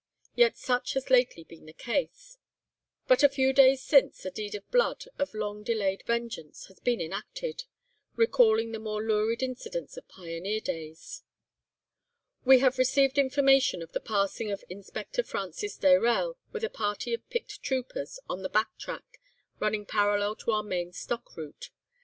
Yet such has lately been the case. But a few days since a deed of blood, of long delayed vengeance, has been enacted, recalling the more lurid incidents of pioneer days. "We had received information of the passing of Inspector Francis Dayrell, with a party of picked troopers, on a back track, running parallel to our main stock route.